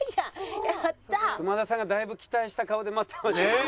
熊田さんがだいぶ期待した顔で待ってました。